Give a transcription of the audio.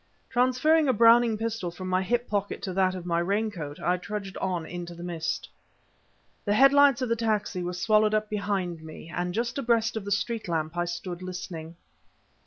Transferring a Browning pistol from my hip pocket to that of my raincoat, I trudged on into the mist. The headlights of the taxi were swallowed up behind me, and just abreast of the street lamp I stood listening.